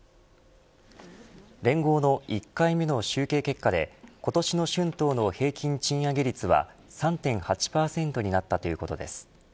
連合の１回目の集計結果で今年の春闘の平均賃上げ率は３．８％になったということです。